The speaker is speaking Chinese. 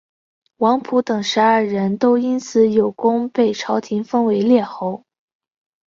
王甫等十二人都因此有功被朝廷封为列侯。